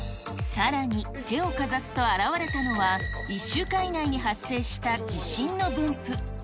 さらに、手をかざすと表れたのは、１週間以内に発生した地震の分布。